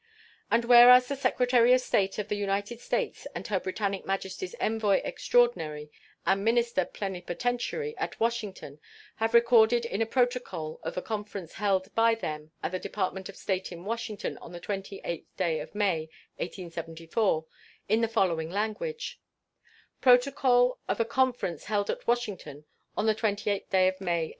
And whereas the Secretary of State of the United States and Her Britannic Majesty's envoy extraordinary and minister plenipotentiary at Washington have recorded in a protocol of a conference held by them at the Department of State in Washington on the 28th day of May, 1874, in the following language: PROTOCOL OF A CONFERENCE HELD AT WASHINGTON ON THE 28TH DAY OF MAY, 1874.